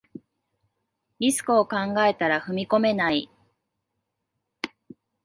リスクを考えたら踏み込めない